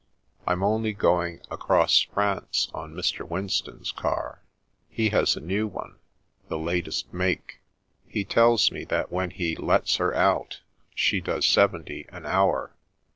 I'm only going across France on Mr. Winston's car. He has a new one — ^the latest make. He tells me that when he ' lets her out ' she does seventy an hour."